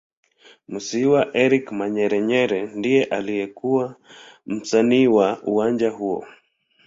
Musiiwa Eric Manyelenyele ndiye aliyekuw msimamizi wa uwanja huo